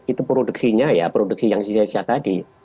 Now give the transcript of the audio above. itu produksinya ya produksi yang saya syarik tadi